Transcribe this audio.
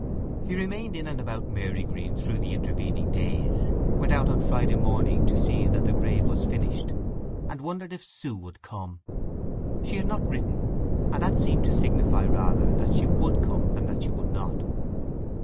He remained in and about Marygreen through the intervening days, went out on Friday morning to see that the grave was finished, and wondered if Sue would come. She had not written, and that seemed to signify rather that she would come than that she would not.